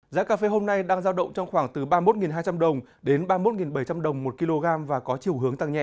giá cà phê hôm nay đang giao động trong khoảng từ ba mươi một hai trăm linh đồng đến ba mươi một bảy trăm linh đồng một kg và có chiều hướng tăng nhẹ